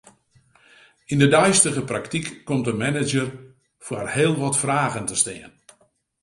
Yn 'e deistige praktyk komt de manager foar heel wat fragen te stean.